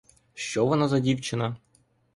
Що воно за дівчина?